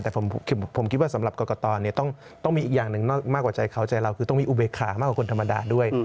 แต่ผมคิดว่าสำหรับกรกตต้องมีอีกอย่างหนึ่งมากกว่าใจเขาใจเราคือต้องมีอุเบคามากกว่าคนธรรมดาด้วย